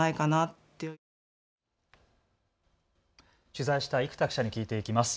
取材した生田記者に聞いていきます。